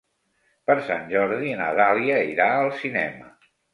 Per Sant Jordi na Dàlia irà al cinema.